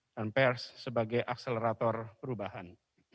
dan pers sebagai akselerator perubahan